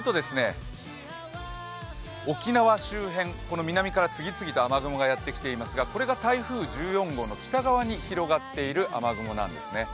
沖縄周辺、南から次々と雨雲がやってきていますが、これが台風１４号の北側に広がっている雨雲なんですね。